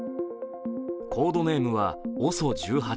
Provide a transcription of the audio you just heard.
コードネームはＯＳＯ１８。